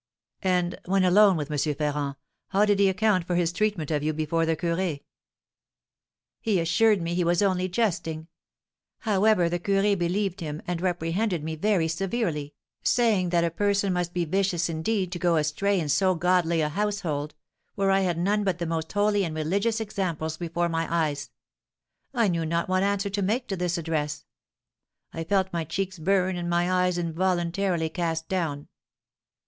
"And, when alone with M. Ferrand, how did he account for his treatment of you before the curé?" "He assured me he was only jesting. However, the curé believed him, and reprehended me very severely, saying that a person must be vicious indeed to go astray in so godly a household, where I had none but the most holy and religious examples before my eyes. I knew not what answer to make to this address; I felt my cheeks burn and my eyes involuntarily cast down.